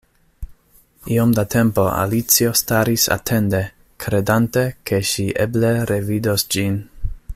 Iom da tempo Alicio staris atende, kredante ke ŝi eble revidos ĝin.